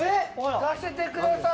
聞かせてください。